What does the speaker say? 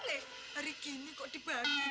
ini gini kok dibagi